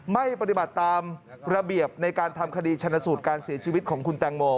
ไม่ปฏิบัติตามระเบียบในการทำคดีชนสูตรการเสียชีวิตของคุณแตงโม